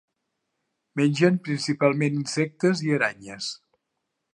Mengen principalment insectes i aranyes.